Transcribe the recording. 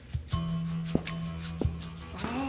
ああ